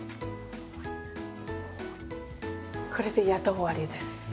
これでやっと終わりです。